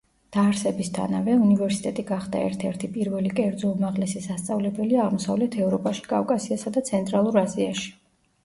დაარსებისთანავე უნივერსიტეტი გახდა ერთ-ერთი პირველი კერძო უმაღლესი სასწავლებელი აღმოსავლეთ ევროპაში, კავკასიასა და ცენტრალურ აზიაში.